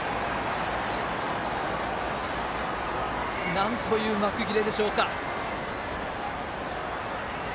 なんという幕切れでしょうか。